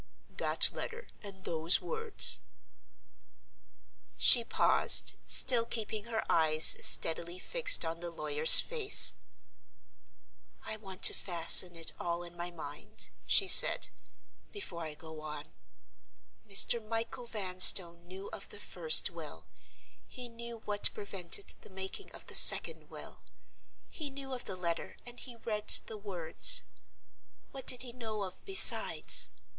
"That letter and those words." She paused, still keeping her eyes steadily fixed on the lawyer's face. "I want to fasten it all in my mind," she said "before I go on. Mr. Michael Vanstone knew of the first will; he knew what prevented the making of the second will; he knew of the letter and he read the words. What did he know of besides?